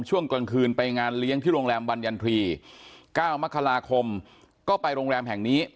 ช่วงกลางคืนไปงานเลี้ยงที่โรงแรมบรรยันทรีย์๙มกราคมก็ไปโรงแรมแห่งนี้